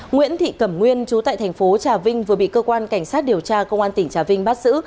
nguyễn thị cẩm nguyên chú tại thành phố trà vinh vừa bị cơ quan cảnh sát điều tra công an tỉnh trà vinh bắt giữ